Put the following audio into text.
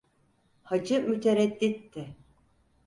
Hacı müteredditti.